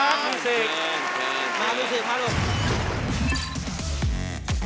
มาลูกซีมาลูก